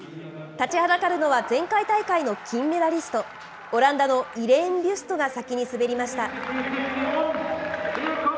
立ちはだかるのは、前回大会の金メダリスト、オランダのイレーン・ビュストが先に滑りました。